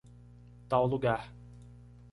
Tal lugar